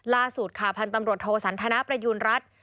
ล่าสุดค่ะพันธ์ตำรวจโทสันทนาประยูณรัฐ